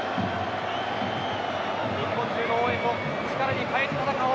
日本中の応援を力に変えて戦おう。